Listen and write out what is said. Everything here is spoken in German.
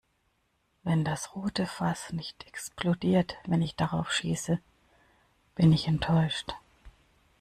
Wenn das rote Fass nicht explodiert, wenn ich darauf schieße, bin ich enttäuscht.